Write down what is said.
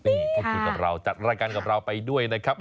นี่พูดคุยกับเราจัดรายการกับเราไปด้วยนะครับ